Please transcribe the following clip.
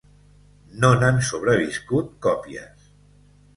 No n'han sobreviscut còpies.